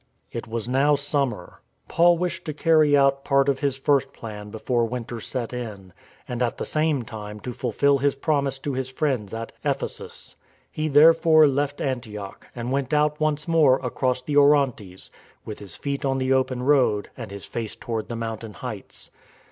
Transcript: It was now summer. Paul wished to carry out part of his first plan before winter set in, and at the same time to fulfill his promise to his friends at Ephesus. He, therefore, left Antioch and went out once more across the Orontes, with his feet on the open road and his face toward the mountain heights.